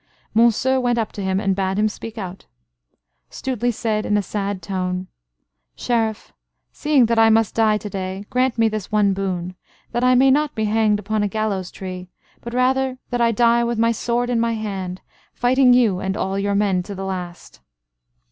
Monceux went up to him and bade him speak out. Stuteley said, in a sad tone: "Sheriff, seeing that I must die to day, grant me this one boon, that I may not be hanged upon a gallows tree, but rather that I die with my sword in my hand, fighting you and all your men to the last."